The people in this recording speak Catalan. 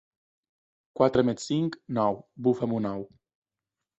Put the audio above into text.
Quatre més cinc, nou, bufa'm un ou.